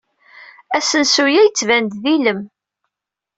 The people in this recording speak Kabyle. Asensu-a yettban-d d ilem.